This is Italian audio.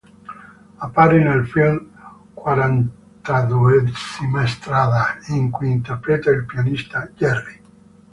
Appare nel film "Quarantaduesima strada", in cui interpreta il pianista Gerry.